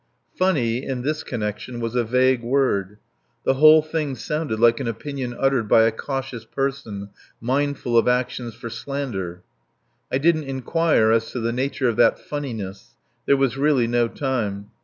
Funny, in this connection, was a vague word. The whole thing sounded like an opinion uttered by a cautious person mindful of actions for slander. I didn't inquire as to the nature of that funniness. There was really no time.